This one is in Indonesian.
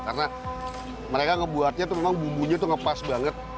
karena mereka ngebuatnya tuh memang bumbunya tuh ngepas banget